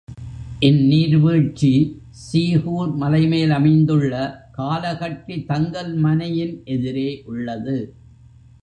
இந் நீர்வீழ்ச்சி சீகூர் மலைமேல் அமைந்துள்ள காலகட்டி தங்கல்மனை யின் எதிரே உள்ளது.